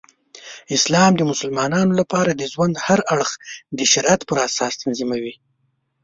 اسلام د مسلمانانو لپاره د ژوند هر اړخ د شریعت پراساس تنظیموي.